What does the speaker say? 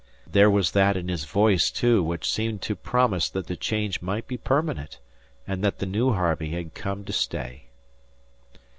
There was that in his voice, too, which seemed to promise that the change might be permanent, and that the new Harvey had come to stay.